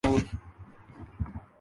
اپنی شرٹ کے بٹن بند کرو